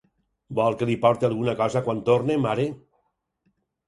Vol que li porte alguna cosa quan torne, mare?